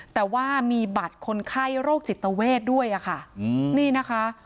แต่ว่ามีบัตรคนไข้โรคจิตเวทด้วยค่ะนี่นะคะ